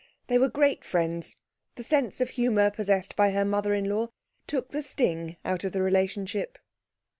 They were great friends; the sense of humour possessed by her mother in law took the sting out of the relationship.